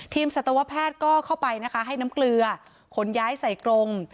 สัตวแพทย์ก็เข้าไปนะคะให้น้ำเกลือขนย้ายใส่กรง